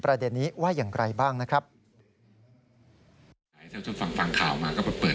กรณีนี้ทางด้านของประธานกรกฎาได้ออกมาพูดแล้ว